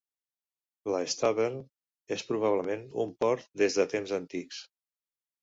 La Stavern és probablement un port des de temps antics.